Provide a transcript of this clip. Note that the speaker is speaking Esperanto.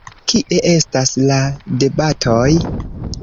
Kie estas la debatoj?